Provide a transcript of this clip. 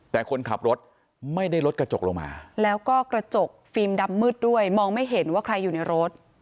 แต่คนขับรถไม่ได้ลดกระจกลงมาแล้วก็กระจกฟิล์มดำมืดด้วยมองไม่เห็นว่าใครอยู่ในรถ